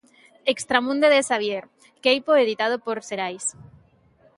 Extramunde, de Xavier Queipo, editado por Xerais.